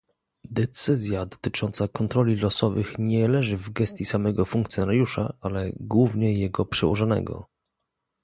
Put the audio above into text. Decyzja dotycząca kontroli losowych nie leży w gestii samego funkcjonariusza, ale głównie jego przełożonego